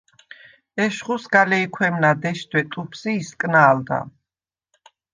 ეშხუ სგა ლეჲქვემნა დეშდვე ტუფს ი ისკნა̄ლდა.